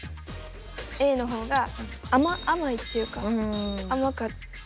Ａの方が甘いっていうか甘かった。